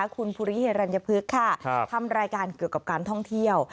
คุณภูริเฮรัญพฤกษ์ค่ะทำรายการเกี่ยวกับการท่องเที่ยว